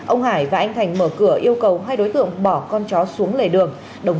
ông hải và anh thành mở cửa yêu cầu hai đối tượng bỏ con chó xuống lề đường